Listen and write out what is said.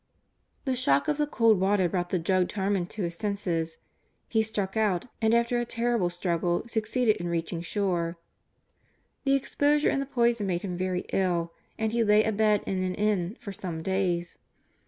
The shock of the cold water brought the drugged Harmon to his senses. He struck out, and after a terrible struggle succeeded in reaching shore. The exposure and the poison made him very ill and he lay abed in an inn for some days.